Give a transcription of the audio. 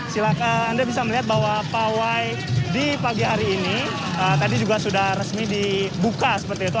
silahkan anda bisa melihat bahwa pawai di pagi hari ini tadi juga sudah resmi dibuka seperti itu